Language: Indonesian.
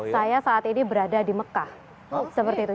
saya saat ini berada di mekah seperti itu